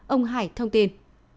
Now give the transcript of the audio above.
ông hải thông tin